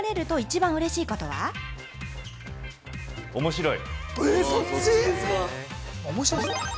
面白い。